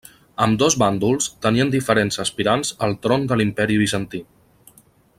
Ambdós bàndols tenien diferents aspirants al tron de l'Imperi Bizantí.